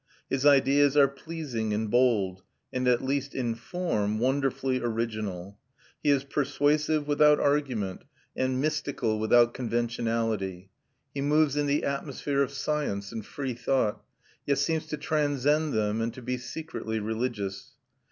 His ideas are pleasing and bold, and at least in form wonderfully original; he is persuasive without argument and mystical without conventionality; he moves in the atmosphere of science and free thought, yet seems to transcend them and to be secretly religious.